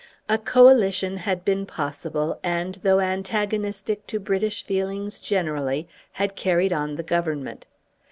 A Coalition had been possible and, though antagonistic to British feelings generally, had carried on the Government.